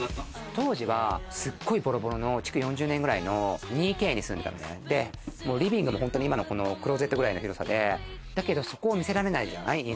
当時はすごいボロボロの築４０年くらいの２Ｋに住んでたんで、リビングもクローゼットくらいの広さで、だけどそこは見せられないじゃない？